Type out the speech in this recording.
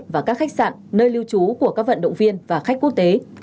và các khách sạn nơi lưu trú của các vận động viên và khách quốc tế